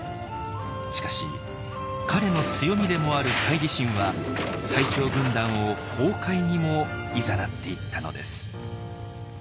しかし彼の強みでもある猜疑心は最強軍団を崩壊にもいざなっていったのです。